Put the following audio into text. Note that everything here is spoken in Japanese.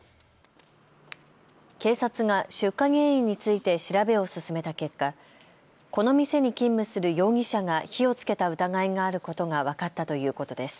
警察が出火原因について調べを進めた結果、この店に勤務する容疑者が火をつけた疑いがあることが分かったということです。